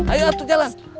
ayo atuh jalan